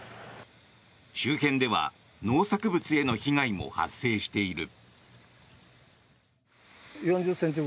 周辺では農作物への被害も発生している。